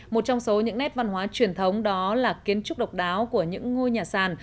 một trong số những nét văn hóa truyền thống đó là kiến trúc độc đáo của những ngôi nhà sàn